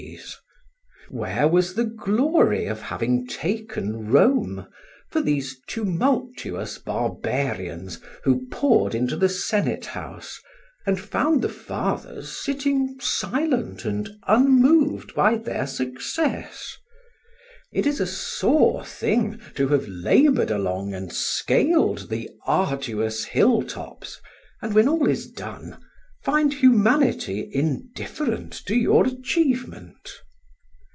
Where was the glory of having taken Rome for these tumultuous barbarians, who poured into the Senate house, and found the Fathers sitting silent and unmoved by their success? It is a sore thing to have laboured along and scaled the arduous hilltops, and when all is done, find humanity indifferent to your achievement.